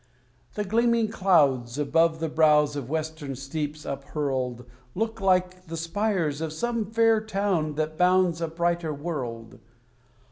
The gleaming clouds, above the brows of western steeps uphurled, Look like the spires of some fair town that bounds a brighter world.